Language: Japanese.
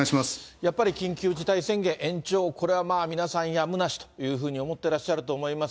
やっぱり緊急事態宣言延長、これは皆さん、やむなしというふうに思ってらっしゃると思います。